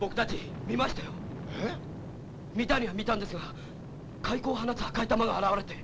見たには見たんですが怪光を放つ赤い玉が現れて。